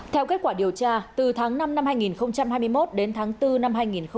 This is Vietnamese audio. theo kết quả điều tra từ tháng năm năm hai nghìn hai mươi một đến tháng bốn năm hai nghìn hai mươi ba